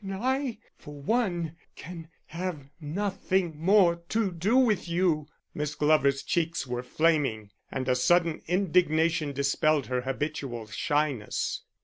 "Then I, for one, can have nothing more to do with you." Miss Glover's cheeks were flaming, and a sudden indignation dispelled her habitual shyness.